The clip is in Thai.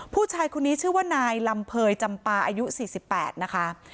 ผู้ชายคนนี้ชื่อว่านายลำเภยจำปาอายุ๔๘นะคะ